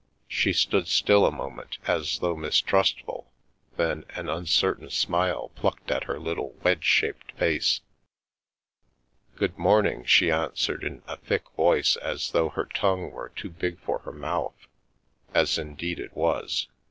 She stood still a moment, as though mistrustful, then an uncertain smile plucked at her little wedge shaped face. " Good morning," she answered, in a thick voice as though her tongue were too big for her mouth, as in deed it was.